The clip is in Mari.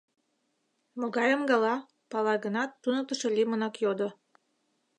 — Могайым гала? — пала гынат, туныктышо лӱмынак йодо.